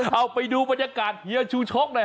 เอาไปดูบรรยากาศเฮียชูชกหน่อย